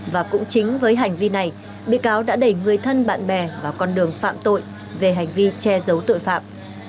và cũng chính với hành vi này bị cáo đã đẩy người thân bạn bè vào con đường phạm tội về hành vi che giấu tội phạm